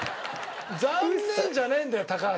「残念」じゃねえんだよ高橋。